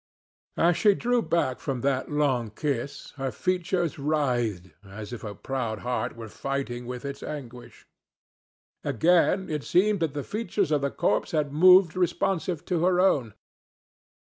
As she drew back from that long kiss her features writhed as if a proud heart were fighting with its anguish. Again it seemed that the features of the corpse had moved responsive to her own.